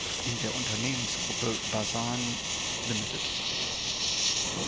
In der Unternehmensgruppe "Bazan Ltd.